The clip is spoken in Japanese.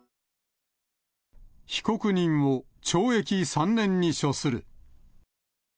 被告人を懲役３年に処する。